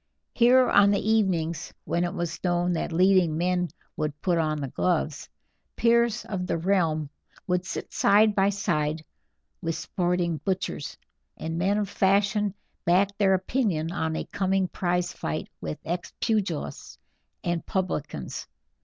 Here, on the evenings when it was known that leading men would put on the gloves, peers of the realm would sit side by side with sporting butchers, and men of fashion back their opinion on a coming prize fight with ex pugilists and publicans.